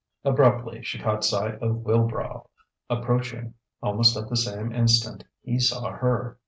Abruptly she caught sight of Wilbrow, approaching. Almost at the same instant he saw her.